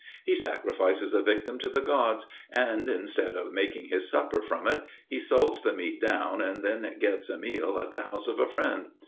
He sacrifices a victim to the gods, and instead of making his supper from it, he salts the meat down and then gets a meal at the house of a friend.